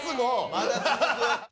まだ続く。